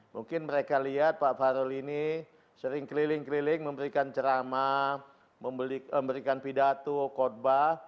mungkin mereka lihat pak fahru ini sering keliling keliling memberikan cerama memberikan pidato kotbah